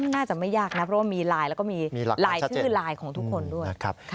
น่าจะไม่ยากนะเพราะว่ามีไลน์แล้วก็มีลายชื่อไลน์ของทุกคนด้วย